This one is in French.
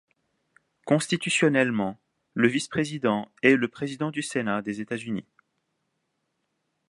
Constitutionnellement, le vice-président est le Président du Sénat des États-Unis.